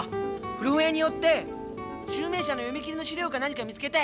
古本屋に寄って集明社の読み切りの資料か何か見つけて。